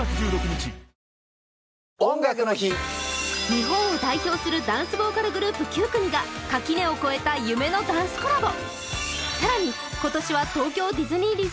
日本を代表するダンスボーカルグループ９組が垣根をこえた夢のダンスコラボ